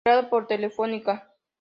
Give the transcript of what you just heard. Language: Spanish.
Operado por Telefónica.